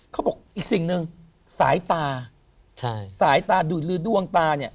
เขาบอกอีกสิ่งหนึ่งสายตาสายตาดูดลือดวงตา